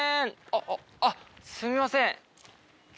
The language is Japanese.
あっすみません